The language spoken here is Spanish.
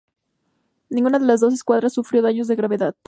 Ninguna de las dos escuadras sufrió daños de gravedad.